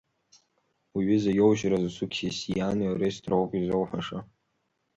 Уҩыза иоужьразы Суқьессиани Орести роуп изоуҳәаша!